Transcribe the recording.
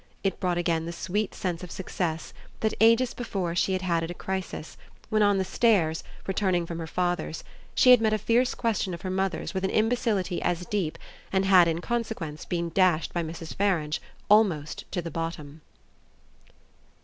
It brought again the sweet sense of success that, ages before, she had had at a crisis when, on the stairs, returning from her father's, she had met a fierce question of her mother's with an imbecility as deep and had in consequence been dashed by Mrs. Farange almost to the bottom.